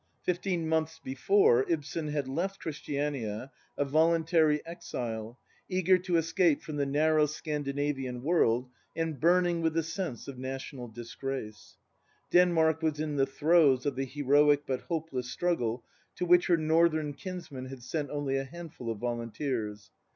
Fifteen months before, Ibsen had left Christiania, a voluntary exile, eager to escape from the narrow Scandinavian world, and burning with the sense of national disgrace. Denmark was in the throes of the heroic but hopeless struggle to which her northern kinsmen had sent only a handful of volunteers.